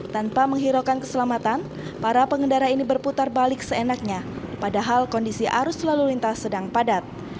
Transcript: tanpa menghiraukan keselamatan para pengendara ini berputar balik seenaknya padahal kondisi arus lalu lintas sedang padat